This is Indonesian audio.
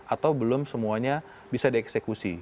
atau belum semuanya bisa dieksekusi